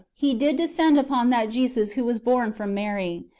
He did descend upon that Jesus who was born from Mary.